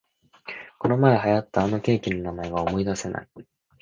このまえ流行ったあのケーキの名前が思いだせない